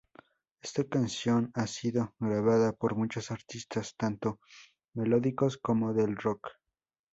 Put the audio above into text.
Esta canción ha sido grabada por muchos artistas, tanto melódicos como del "rock".